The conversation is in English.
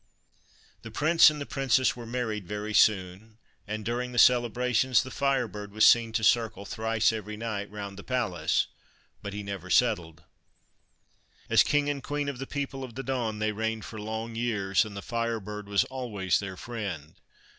The Prince and the Princess were married very soon, and, during u 169 THE FIRE BIRD the celebrations, the Fire Bird was seen to circle thrice eveiy night round the palace, but he never settled. As King and Queen of the People of the Dawn, they reigned for long years, and the Fire Bird was always their friend.